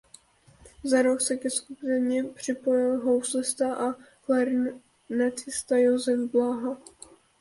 Za rok se ke skupině připojil houslista a klarinetista Josef Bláha.